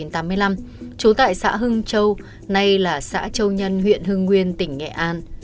trú tại xã hưng châu nay là xã châu nhân huyện hưng nguyên tỉnh nghệ an